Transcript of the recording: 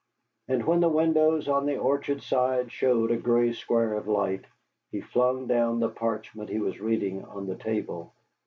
And when the windows on the orchard side showed a gray square of light, he flung down the parchment he was reading on the table.